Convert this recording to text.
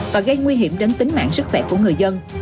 và gây nguy hiểm đến tính mạng sức khỏe của người dân